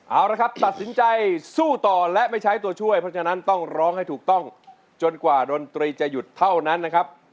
เอาละครับตัดสินใจสู้ต่อและไม่ใช้ตัวช่วยเพราะฉะนั้นต้องร้องให้ถูกต้องจนกว่าดนตรีจะหยุดเท่านั้นนะครับ